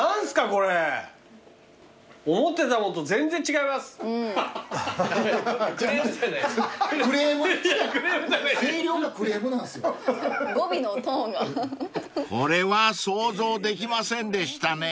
［これは想像できませんでしたね］